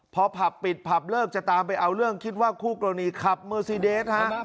พอผับปิดผับเลิกจะตามไปเอาเรื่องคิดว่าคู่กรณีขับเมอร์ซีเดสฮะ